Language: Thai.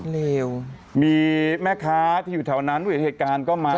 เลวมีแม่ค้าที่อยู่แถวนั้นผู้เห็นเหตุการณ์ก็มา